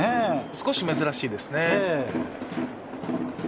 少し珍しいですね。